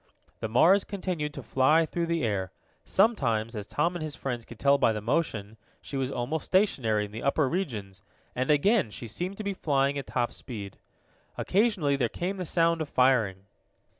The Mars continued to fly through the air. Sometimes, as Tom and his friends could tell by the motion, she was almost stationary in the upper regions, and again she seemed to be flying at top speed. Occasionally there came the sound of firing.